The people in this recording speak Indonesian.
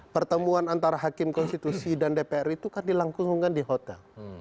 pertemuan antara hakim konstitusi dan dpr itu kan dilangsungkan di hotel